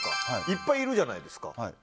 いっぱいいるじゃないですか。